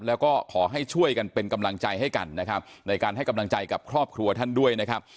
แล้วก็ขอให้ช่วยกันเป็นกำลังใจให้กันนะครับในการให้กำลังใจกับครอบครัวท่านด้วยนะครับ